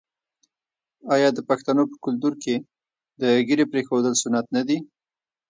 آیا د پښتنو په کلتور کې د ږیرې پریښودل سنت نه دي؟